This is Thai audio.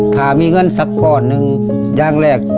ถ้ามีเงินสักก้อนหนึ่งอย่างแรก